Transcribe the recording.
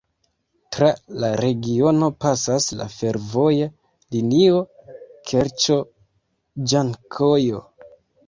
Tra la regiono pasas la fervoja linio Kerĉo-Ĝankojo.